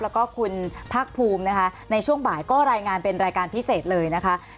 แล้วก็คุณภาคภูมินะคะในช่วงบ่ายก็รายงานเป็นรายการพิเศษเลยนะคะ